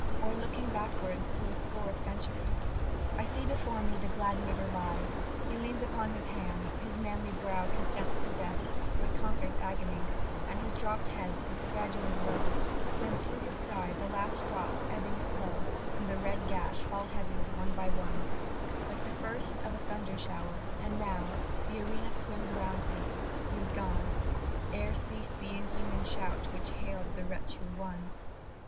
_) or, looking backwards through a score of centuries, I see before me the Gladiator lie: He leans upon his hand his manly brow Consents to death, but conquers agony, And his droop'd head sinks gradually low And through his side the last drops, ebbing slow From the red gash, fall heavy, one by one, Like the first of a thunder shower; and now The arena swims around him he is gone, Ere ceased the inhuman shout which hail'd the wretch who won.